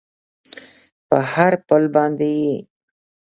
په هر پل باندې یې